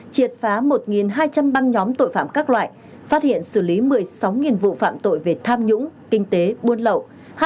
triệt phá một hai trăm linh băng nhóm tội phạm các loại phát hiện xử lý một mươi sáu vụ phạm tội về tham nhũng kinh tế buôn lậu